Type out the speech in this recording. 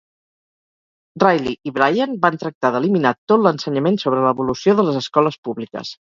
Riley i Bryan van tractar d'eliminar tot l'ensenyament sobre l'evolució de les escoles públiques.